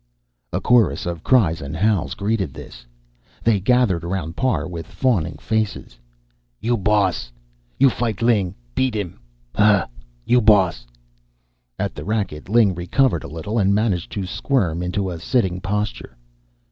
A chorus of cries and howls greeted this. They gathered around Parr with fawning faces. "You boss! You fight Ling beat 'im. Huh, you boss!" At the racket, Ling recovered a little, and managed to squirm into a sitting posture.